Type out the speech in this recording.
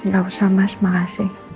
gak usah mas makasih